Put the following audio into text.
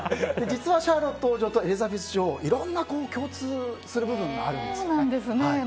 実はシャーロット王女とエリザベス女王いろんな共通する部分があるんです。